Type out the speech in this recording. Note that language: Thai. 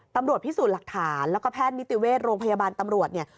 ตำรวจพิสูจน์หลักฐานแล้วก็แพทย์นิติเวชโรงพยาบาลตำรวจเนี่ย